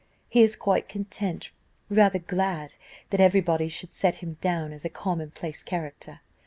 He is quite content, rather glad, that every body should set him down as a common place character.